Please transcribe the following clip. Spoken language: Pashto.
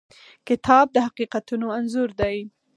کتاب د حقیقتونو انځور دی.